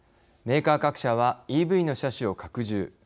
メーカー各社はＥＶの車種を拡充。